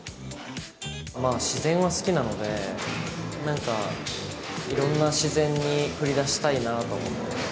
自然は好きなので、なんかいろんな自然に繰り出したいなと思って。